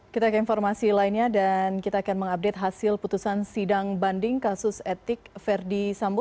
kita ke informasi lainnya dan kita akan mengupdate hasil putusan sidang banding kasus etik verdi sambo